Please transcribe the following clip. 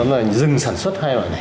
nó là dừng sản xuất hai loại này